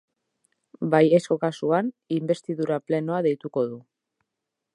Baiezko kasuan, inbestidura plenoa deituko du.